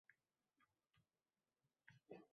Ishq otli qush kelib qo’ndi